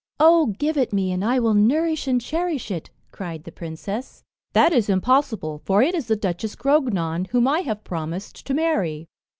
"Oh, give it me, and I will nourish and cherish it," cried the princess. "That is impossible; for it is the Duchess Grognon, whom I have promised to marry."